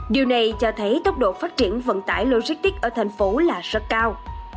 điều này cho thấy tốc độ phát triển vận tải logistics ở thành phố là rất cao